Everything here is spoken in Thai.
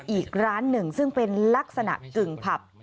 อีกร้านหนึ่งซึ่งเป็นลักษณะกึ่งผับ